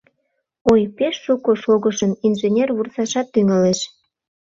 Ой, пеш шуко шогышым, инженер вурсашат тӱҥалеш!